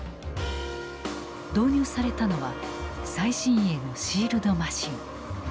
導入されたのは最新鋭のシールドマシン。